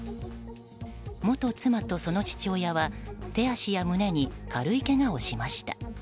元妻とその父親は手足や胸に軽いけがをしました。